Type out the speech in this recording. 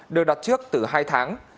đều đặt trước từ hai tháng